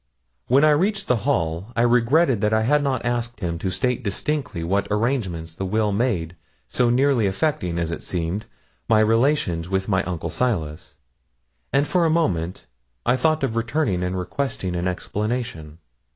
When I reached the hall, I regretted that I had not asked him to state distinctly what arrangements the will made so nearly affecting, as it seemed, my relations with my uncle Silas, and for a moment I thought of returning and requesting an explanation.